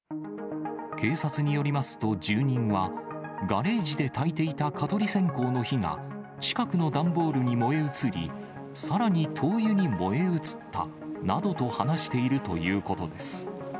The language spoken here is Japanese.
警察によりますと、住人は、ガレージでたいていた蚊取り線香の火が、近くの段ボールに燃え移り、さらに灯油に燃え移ったなどと話しているということです。